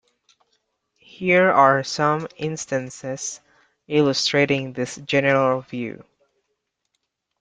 Here are some instances illustrating this general view.